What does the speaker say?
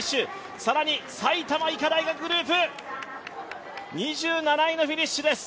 更に埼玉医科大学グループ、２７位のフィニッシュです。